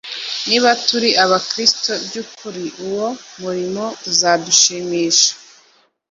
Niba turi abakristo by'ukuri, uwo murimo uzadushimisha.